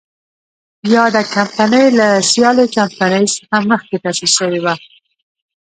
یاده کمپنۍ له سیالې کمپنۍ څخه مخکې تاسیس شوې وه.